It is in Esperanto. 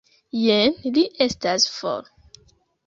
Jen, li estas for.